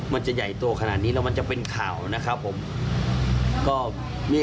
มันจะใหญ่โตขนาดนี้แล้วมันจะเป็นข่าวนะครับผม